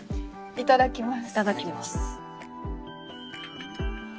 いただきます。